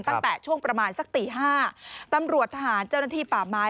ตั้งแต่ช่วงประมาณสักตีห้าตำรวจทหารเจ้าหน้าที่ป่าไม้